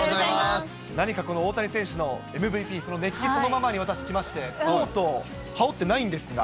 何かこの大谷選手のＭＶＰ、その熱気そのままに私、来まして、コートを羽織ってないんですが。